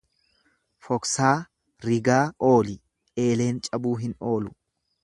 Foksaa rigaa ooli eeleen cabuu hin oolu.